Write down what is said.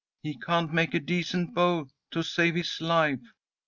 He can't make a decent bow to save his life.